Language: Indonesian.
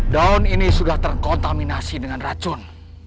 daun ini sudah terkontaminasi dengan racun